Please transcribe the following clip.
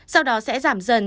sau đó sẽ giảm dần